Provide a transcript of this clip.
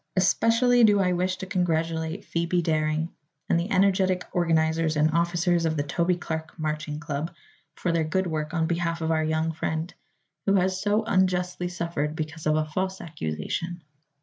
Especially do I wish to congratulate Phoebe Daring and the energetic organizers and officers of the Toby Clark Marching Club for their good work on behalf of our young friend, who has so unjustly suffered because of a false accusation.